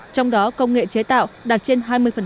trong đó công nghệ chế tạo đạt trên hai mươi